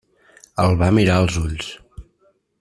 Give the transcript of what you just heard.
El va mirar als ulls.